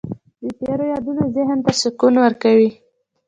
د تېرو یادونه ذهن ته سکون ورکوي.